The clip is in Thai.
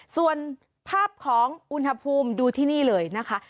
ส่วนภาพของอุณหภูมิดูที่นี่เลยนะคะ